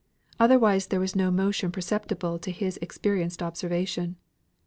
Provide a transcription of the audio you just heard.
Otherwise there was no motion perceptible to his experienced observation.